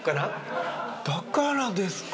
だからですか！